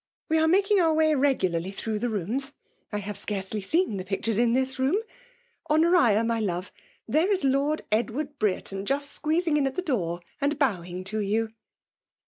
We are makiDg oar way regularly through ihe rocHus. — I faaTe scarcely seen the pictures in this room« Ho noria> my love, there is Lord Edward Brere ton just squeezing in at the door, and bowing to you."